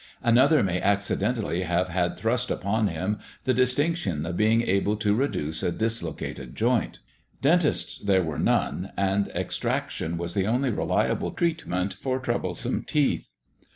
Another may accidentally have had thrust upon him the distinction of being able to reduce a dislocated joint. [Illustration: SPINNING FLAX] Dentists there were none, and extraction was the only reliable treatment for troublesome teeth.